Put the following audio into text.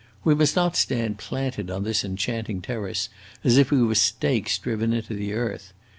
We must not stand planted on this enchanting terrace as if we were stakes driven into the earth.